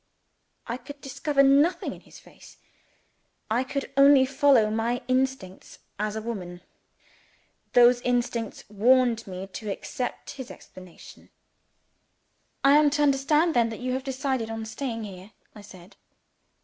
I could discover nothing in his face I could only follow my instincts as a woman. Those instincts warned me to accept his explanation. "I am to understand then that you have decided on staying here?" I said.